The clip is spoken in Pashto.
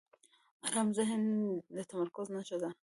آرام ذهن د تمرکز نښه ده.